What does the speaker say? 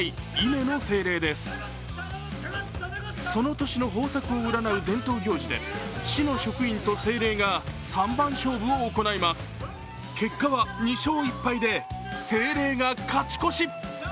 その年の豊作を占う伝統行事で市の職員と精霊が３番勝負を行います、結果は２勝１敗で精霊が勝ち越し。